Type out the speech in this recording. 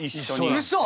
うそ！？